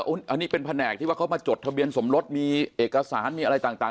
อันนี้เป็นแผนกที่ว่าเขามาจดทะเบียนสมรสมีเอกสารมีอะไรต่าง